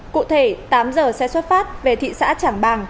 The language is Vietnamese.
cụ thể tám giờ xe xuất phát về thị xã trảng bàng